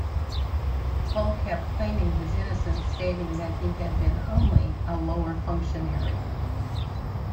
Pohl kept claiming his innocence, stating that he had been only a lower functionary.